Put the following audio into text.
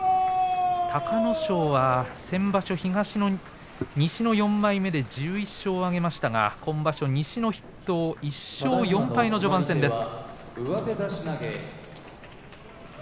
隆の勝は先場所１２勝を挙げましたが今場所、西の筆頭１勝４敗の序盤戦です。